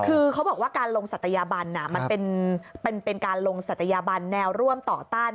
คือเขาบอกว่าการลงศัตยาบันมันเป็นการลงศัตยาบันแนวร่วมต่อต้าน